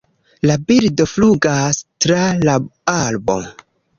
La birdo flugas tra la arbo